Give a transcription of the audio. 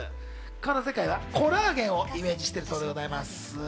この世界はコラーゲンをイメージしているということでございます。